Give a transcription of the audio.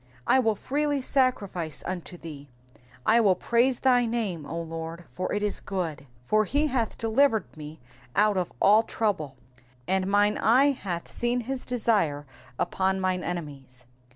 6 I will freely sacrifice unto thee : I will praise thy name, O Lord ; for it is good. 7 For he hath delivered me out of all trouble : and mine eye hath seen his desire upon mine enemies.